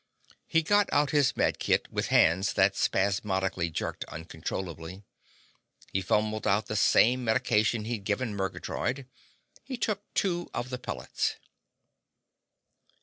He got out his med kit, with hands that spasmodically jerked uncontrollably. He fumbled out the same medication he'd given Murgatroyd. He took two of the pellets.